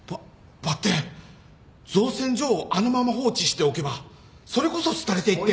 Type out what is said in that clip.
ばってん造船所をあのまま放置しておけばそれこそ廃れていって。